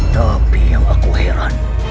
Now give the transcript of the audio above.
tapi yang aku heran